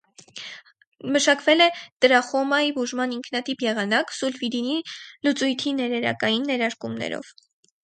Մշակվել է տրախոմայի բուժման ինքնատիպ եղանակ՝ սուլֆիդինի լուծույթի ներերակային ներարկումներով։